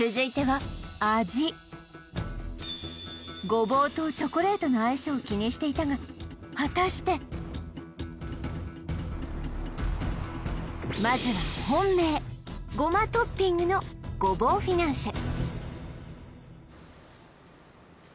ごぼうとチョコレートの相性を気にしていたが果たしてまずは本命胡麻トッピングのごぼうフィナンシェ